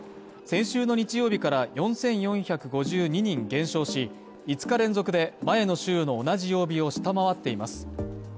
先週の日曜日から４４５２人減少し、５日連続で、前の週の同じ曜日を下回っています。